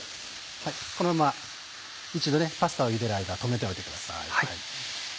このまま一度パスタをゆでる間止めておいてください。